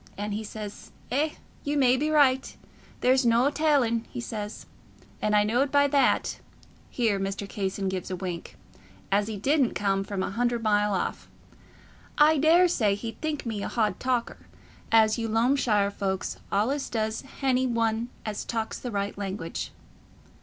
And he says, 'Eh, ye may be raight, there's noo tallin',' he says, and I knowed by that"—here Mr. Casson gave a wink—"as he didn't come from a hundred mile off. I daresay he'd think me a hodd talker, as you Loamshire folks allays does hany one as talks the right language."